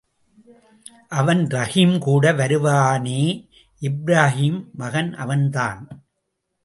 அவன் ரஹீம் கூட வருவானே, இப்ராஹீம் மகன் அவனேதான்!